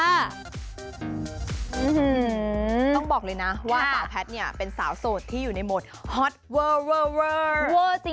อื้อหือต้องบอกเลยนะว่าสาวแพทย์เนี่ยเป็นสาวโสดที่อยู่ในโหมดฮอตเวอร์เวอร์เวอร์